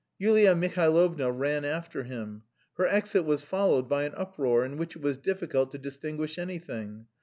Yulia Mihailovna ran after him. Her exit was followed by an uproar, in which it was difficult to distinguish anything.